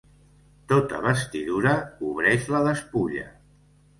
Tota vestidura cobreix la despulla.